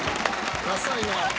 ダサいな。